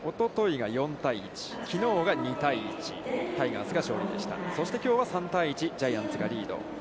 おとといが４対１、きのうが２対１、タイガースが勝利でした、きょうは３対１、ジャイアンツがリード。